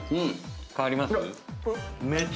変わります？